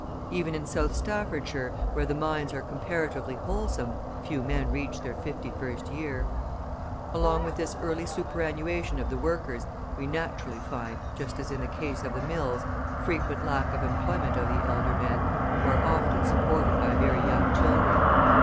Even in South Staffordshire, where the mines are comparatively wholesome, few men reach their fifty first year. Along with this early superannuation of the workers we naturally find, just as in the case of the mills, frequent lack of employment of the elder men, who are often supported by very young children.